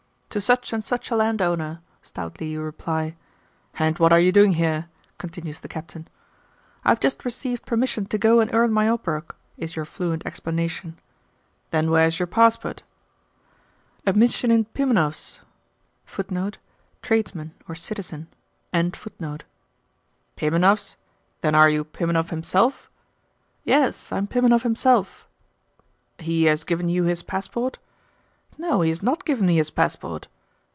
'To such and such a landowner,' stoutly you reply. 'And what are you doing here?' continues the Captain. 'I have just received permission to go and earn my obrok,' is your fluent explanation. 'Then where is your passport?' 'At Miestchanin Pimenov's.' 'Pimenov's? Then are you Pimenov himself?' 'Yes, I am Pimenov himself.' 'He has given you his passport?' 'No, he has not given me his passport.